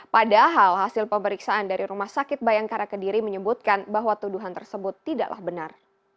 padahal hasil pemeriksaan dari rumah sakit bayangkara kediri menyebutkan bahwa tuduhan tersebut tidaklah benar